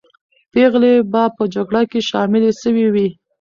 پېغلې به په جګړه کې شاملې سوې وې.